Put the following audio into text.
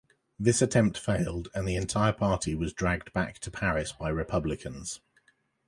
This attempt failed, and the entire party was dragged back to Paris by republicans.